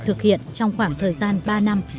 thực hiện trong khoảng thời gian ba năm